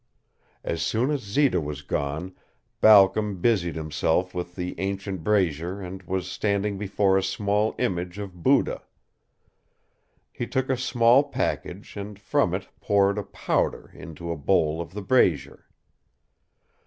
As soon as Zita was gone Balcom busied himself with the ancient brazier and was standing before a small image of Buddha. He took a small package and from it poured a powder into the bowl of the brazier.